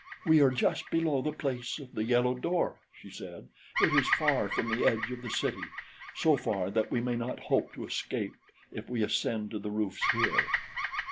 "We are just below the place of the yellow door," she said. "It is far from the edge of the city; so far that we may not hope to escape if we ascend to the roofs here."